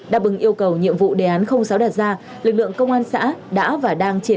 đảm bừng yêu cầu nhiệm vụ đề án sáu đạt ra lực lượng công an xã đã và đang truyền